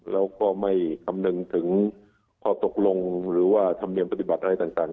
แล้วก็ไม่คำนึงถึงข้อตกลงหรือว่าธรรมเนียมปฏิบัติอะไรต่าง